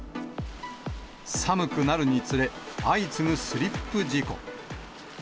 寒くなるにつれ、相次ぐスリップ事故。